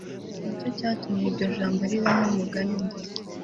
ni cyo cyatumye iryo jambo riba nk'umugani, ngo